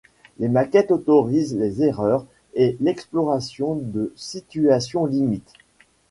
Les maquettes autorisent les erreurs et l'exploration de situations limites.